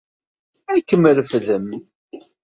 Ad kem-refden.